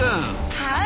はい！